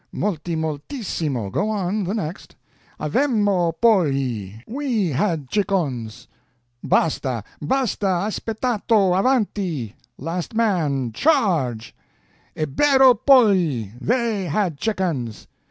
"Moltimoltissimo! Go on, the next!" "Avemmo polli, we had chickens!" "Basta basta aspettatto avanti last man charge!" "Ebbero polli, they had chickens!"